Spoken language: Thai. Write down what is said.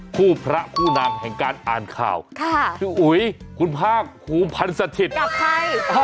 คู่พระคู่นางแห่งการอ่านข่าวค่ะพี่อุ๋ยคุณภาคครูพันธ์สถิตย์กับใคร